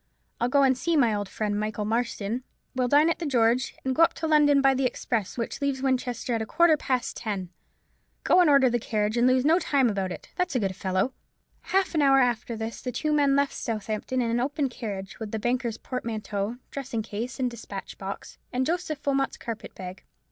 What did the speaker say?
I'll go and see my old friend Michael Marston; we'll dine at the George, and go up to London by the express which leaves Winchester at a quarter past ten. Go and order the carriage, and lose no time about it, that's a good fellow." Half an hour after this the two men left Southampton in an open carriage, with the banker's portmanteau, dressing case, and despatch box, and Joseph Wilmot's carpet bag.